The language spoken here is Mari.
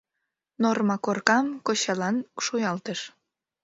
Норма коркам кочалан шуялтыш.